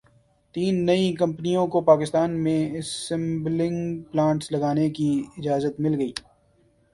تین نئی کمپنیوں کو پاکستان میں اسمبلنگ پلانٹس لگانے کی اجازت مل گئی